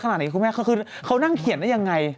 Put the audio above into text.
ขนาดนี้คุณแม่คือเขานั่งเขียนได้ยังไง